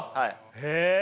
へえ。